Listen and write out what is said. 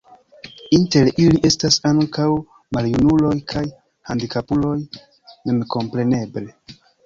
Inter ili estas ankaŭ maljunuloj kaj handikapuloj memkompreneble.